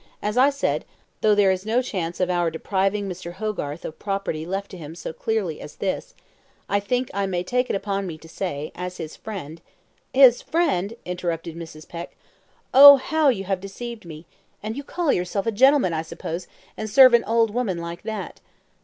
As I said, though there is no chance of our depriving Mr. Hogarth of property left to him so clearly as this, I think I may take it upon me to say, as his friend " "His friend!" interrupted Mrs Peck. "Oh, how you have deceived me! And you call yourself a gentleman, I suppose; and serve an old woman like that."